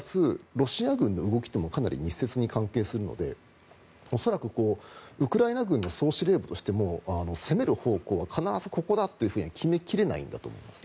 ロシア軍の動きもかなり密接に関係するので恐らく、ウクライナ軍の総司令部としても攻める方向は必ずここだと決め切れないんだと思います。